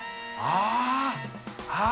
ああ。